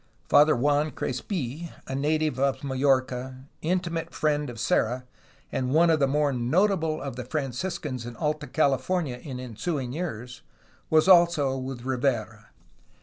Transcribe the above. Father Juan Crespi (a native of Majorca, intimate friend of Serra, and one of the more notable of the Franciscans in Alta California in ensuing years) was also with Rivera.